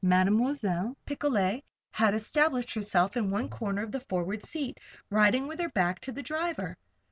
Mademoiselle Picolet had established herself in one corner of the forward seat, riding with her back to the driver.